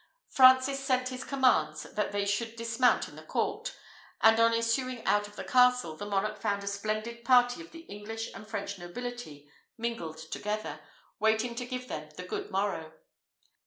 Francis sent his commands that they should dismount in the court; and on issuing out of the castle, the monarch found a splendid party of the English and French nobility mingled together, waiting to give them the good morrow.